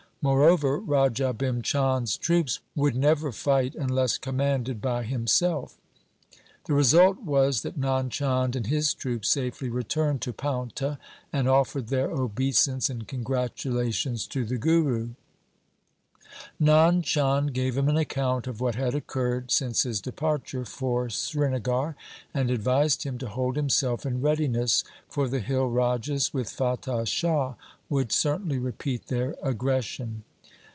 Moreover, Raja Bhim Chand's troops would never fight unless commanded by him self. The result was that Nand Chand and his troops safely returned to Paunta, and offered their obeisance and congratulations to the Guru. Nand Chand gave him an account of what had occurred since his departure for Srinagar, and advised him to hold himself in readiness, for the hill rajas with Fatah Shah would certainly repeat their aggression.